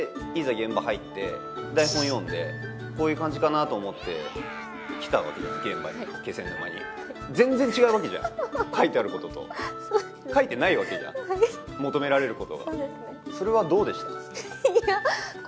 現場入って台本読んでこういう感じかなと思って来たわけじゃない現場に気仙沼に全然違うわけじゃん書いてあることと書いてないわけじゃん求められることがそれはどうでした？